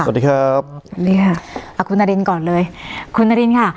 สวัสดีครับสวัสดีค่ะคุณนารินก่อนเลยคุณนารินค่ะ